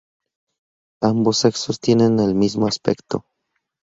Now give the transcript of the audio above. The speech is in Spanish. Ambos sexos tienen el mismo aspecto.